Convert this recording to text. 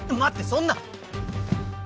そんな。